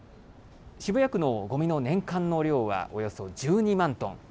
渋谷区のごみの年間の量はおよそ１２万トン。